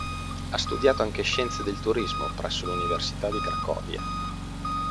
Ha studiato anche Scienze del Turismo presso l'università di Cracovia.